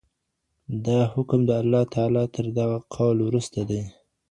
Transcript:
دا حکم د الله تعالی تر دغه قول وروسته دی.